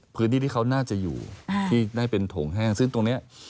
พื้นที่ที่เขาน่าจะอยู่ที่ได้เป็นโถงแห้งซึ่งตรงนี้